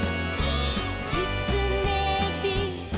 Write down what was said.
「きつねび」「」